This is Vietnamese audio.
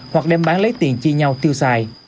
hoặc đem bán lấy tiền chi nhau tiêu xài